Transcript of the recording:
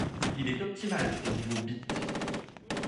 Il est optimal au niveau bit.